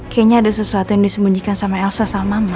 kayaknya ada sesuatu yang disembunyikan sama elsa sama mama